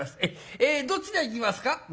えどちら行きますか？」。